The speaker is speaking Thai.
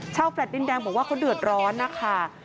แฟลต์ดินแดงบอกว่าเขาเดือดร้อนนะคะ